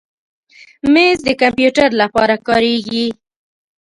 مېز د کمپیوټر لپاره کارېږي.